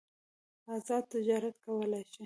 ازاد تجارت کولای شي.